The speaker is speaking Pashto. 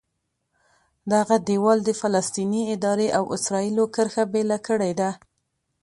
دغه دیوال د فلسطیني ادارې او اسرایلو کرښه بېله کړې ده.